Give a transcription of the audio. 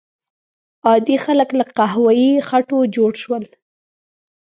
عادي خلک له قهوه یي خټو جوړ شول.